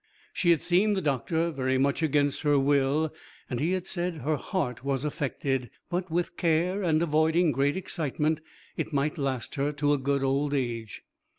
She had seen the doctor, very much against her will, and he had said her heart was affected, but with care and avoiding great excitement, it might last her to a good old age.